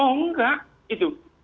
oh enggak itu